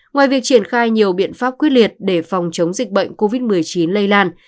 ngoài việc triển khai nhiều biện pháp quyết liệt để phòng chống dịch bệnh covid một mươi chín lây lan